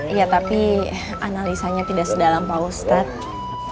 iya tapi analisanya tidak sedalam pak ustadz